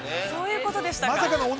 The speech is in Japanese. そういうことでしたか。